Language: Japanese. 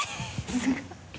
すごい